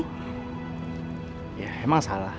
kamu kenapa sih seneng banget kesini